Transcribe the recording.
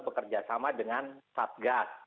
bekerjasama dengan satgas